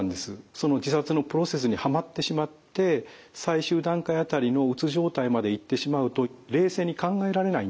その自殺のプロセスにはまってしまって最終段階辺りのうつ状態までいってしまうと冷静に考えられないんですね。